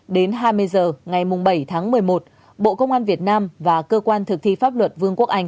đến hai mươi h ngày bảy tháng một mươi một bộ công an việt nam và cơ quan thực thi pháp luật vương quốc anh